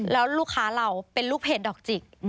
แล้วลูกค้าเราเป็นลูกเพจดอกจิก